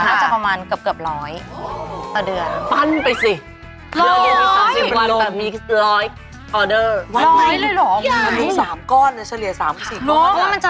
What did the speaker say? มันจะประมาณเกือบ๑๐๐ต่อเดือน